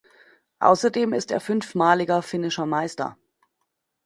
Außerdem ist er fünfmaliger finnischer Meister.